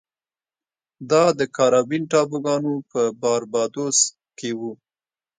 دا د کارابین ټاپوګانو په باربادوس کې و.